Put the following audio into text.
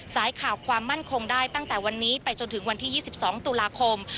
สายข่าวความมั่นคงได้ตั้งแต่วันนี้ไปจนถึงวันที่๒๒ตุลาคม